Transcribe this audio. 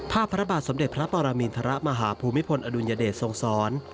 พระบาทสมเด็จพระปรมินทรมาหาภูมิพลอดุลยเดชทรงสอน